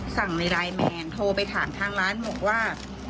สั่งในไลน์แมนโทรไปถามทางร้านบอกว่า